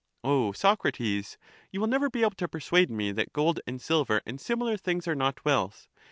O Socrates, you will never be able to persuade me that gold and silver and similar things are not wealth.